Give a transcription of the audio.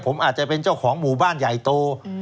ผมอาจจะเป็นเจ้าของหมู่บ้านใหญ่โต